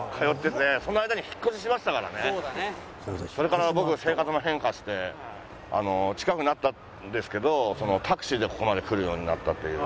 それから僕生活も変化して近くなったんですけどタクシーでここまで来るようになったという。